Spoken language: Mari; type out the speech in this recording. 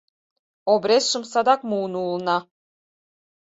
Обрезшым садак муын улына».